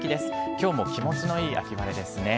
きょうも気持ちのいい秋晴れですね。